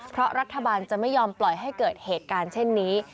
เพราะรัฐบาลจะไม่ยอมปล่อยให้เกิดเหตุการณ์เช่นนี้